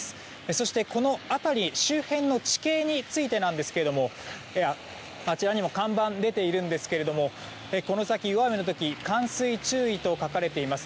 そして、この辺り周辺の地形についてなんですがあちらにも看板が出ているんですけれどもこの先、大雨の時冠水注意と書かれています。